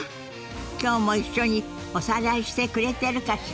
今日も一緒におさらいしてくれてるかしら？